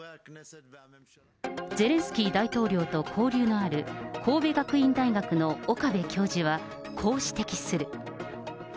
ゼレンスキー大統領と交流のある神戸学院大学の岡部教授は、こう指摘する。